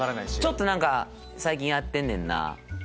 「ちょっと最近やってんねんな」。